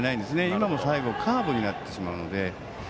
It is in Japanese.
今も最後カーブになってしまったので。